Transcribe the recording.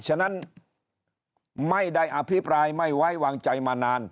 ฉะนั้นไม่ได้อภิปรายไม่ไว้วางใจมานาน